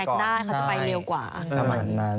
เขาจะไปเร็วกว่า